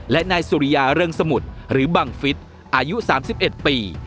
และนายสุริยาเรื่องสมุดหรือบังฟิศอายุสามสิบเอ็ดปี